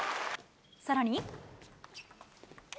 さらに。